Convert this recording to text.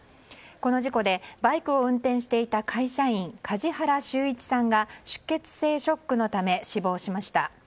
この事故でバイクを運転していた会社員梶原修一さんが出血性ショックのため死亡しました。